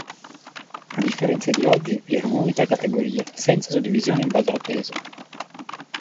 A differenza di oggi, vi era un'unica categoria, senza suddivisione in base al peso.